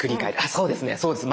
そうです。